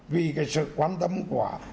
vì cái sự quan tâm của